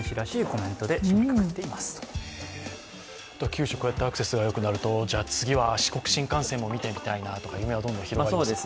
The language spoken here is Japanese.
九州、こうやってアクセスがよくなると次は四国新幹線も見てみたいなと、夢は広がります。